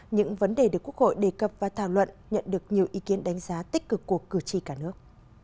những vấn đề được quốc hội đề cập và thảo luận nhận được nhiều ý kiến đánh giá tích cực của cử tri cả nước